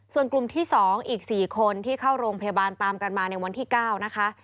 ส่วนกลุ่มที่๒อีก๔คนที่เข้าโรงพยาบาลตามกันมาในวันที่๙นะคะ